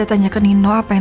karena dia masih tak moad